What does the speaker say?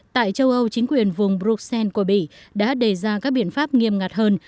tại châu âu chính quyền vùng bruxelles của bỉ đã đề ra các biện pháp nghiêm ngặt hơn